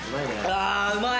ああうまい！